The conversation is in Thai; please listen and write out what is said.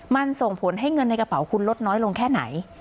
มันส่งผลให้เงินในกระเป๋าคุณลดน้อยลงแค่ไหน